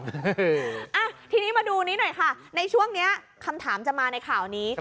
อ่ะทีนี้มาดูนี้หน่อยค่ะในช่วงนี้คำถามจะมาในข่าวนี้